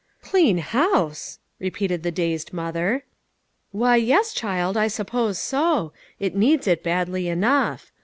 " Clean house !" repeated the dazed mother. "Why, yes, child, I suppose so. It needs it badly enough.